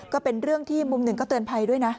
ก็เป็นเรื่องที่มุมหนึ่งก็เตือนภัยด้วยนะ